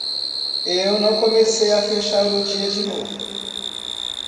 Eu não comecei a fechar o dia de novo.